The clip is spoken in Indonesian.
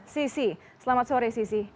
sisi selamat sore sisi